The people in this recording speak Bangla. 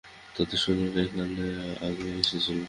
তাদের সৈন্যরা এখানে আগেই এসেছিল।